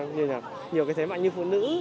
nhiều cái thế mạnh như phụ nữ